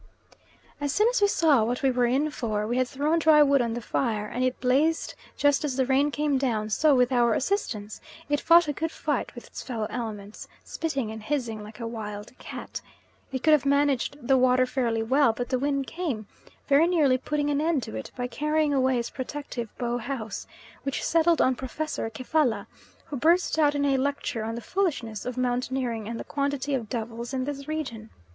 As soon as we saw what we were in for, we had thrown dry wood on to the fire, and it blazed just as the rain came down, so with our assistance it fought a good fight with its fellow elements, spitting and hissing like a wild cat. It could have managed the water fairly well, but the wind came, very nearly putting an end to it by carrying away its protecting bough house, which settled on "Professor" Kefalla, who burst out in a lecture on the foolishness of mountaineering and the quantity of devils in this region.